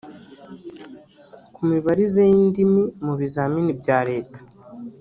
Ku mibarize y’indimi mu bizamini bya Leta